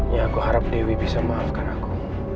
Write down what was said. ya aku harap dewi bisa memaafkan aku